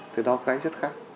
thì đó là cái rất khác